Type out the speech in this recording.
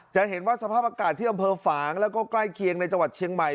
จะเห็นว่าสภาพอากาศที่อำเภอฝางแล้วก็ใกล้เคียงในจังหวัดเชียงใหม่